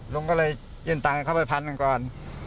ลุงก็เลยยื่นตังค์ข้าวไปพันละก่อน